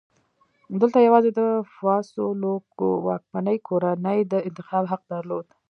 دلته یوازې د فاسولوکو واکمنې کورنۍ د انتخاب حق درلود.